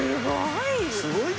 すごい！